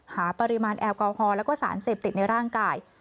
หาปริมาณแอลกอฮอลแล้วก็สารเสพติดในร่างกาย